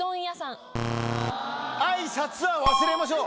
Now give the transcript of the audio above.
挨拶は忘れましょう。